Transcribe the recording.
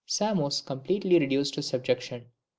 Samos completely reduced to subjection.